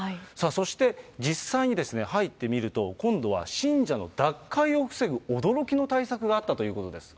そして、実際に入ってみると、今度は信者の脱会を防ぐ驚きの対策があったということです。